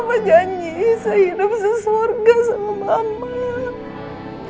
bapak janji sehidup sesurga sama mama